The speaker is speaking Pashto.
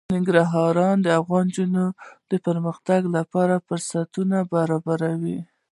ننګرهار د افغان نجونو د پرمختګ لپاره فرصتونه برابروي.